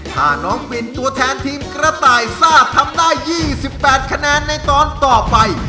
ถ้าน้องปินตัวแทนทีมกระต่ายซ่าทำได้๒๘คะแนนในตอนต่อไป